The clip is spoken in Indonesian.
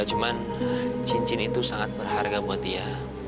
cuman cincin itu sangat berharga buat dia